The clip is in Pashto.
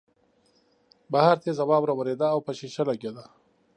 بهر تېزه واوره ورېده او په شیشه لګېده